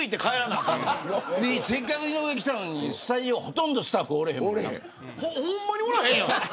せっかく井上来たのにスタジオほとんどスタッフおらへん。